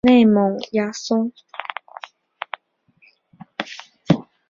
内蒙邪蒿